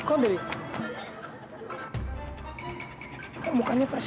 udah udah bawa polisi